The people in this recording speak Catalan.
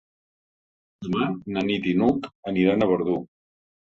Demà na Nit i n'Hug aniran a Verdú.